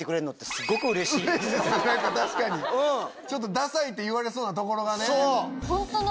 ダサいって言われそうなところがね。